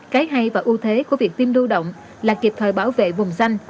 cái hay và ưu thế của việc tiêm lưu động là kịp thời bảo vệ vùng danh